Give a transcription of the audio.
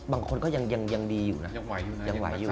บางคนก็ยังดีอยู่นะยังไหวอยู่